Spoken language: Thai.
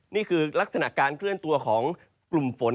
นี่คือลักษณะการเคลื่อนตัวของกลุ่มฝน